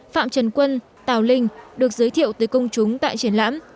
phạm trần quân tào linh được giới thiệu tới công chúng tại triển lãm